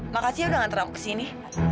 makasih ya udah nganter aku ke sini